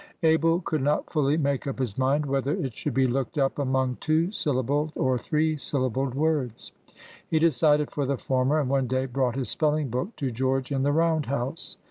Abel could not fully make up his mind whether it should be looked up among two syllabled or three syllabled words. He decided for the former, and one day brought his spelling book to George in the round house.